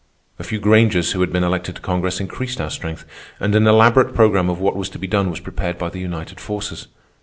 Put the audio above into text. A few Grangers who had been elected to Congress increased our strength, and an elaborate programme of what was to be done was prepared by the united forces.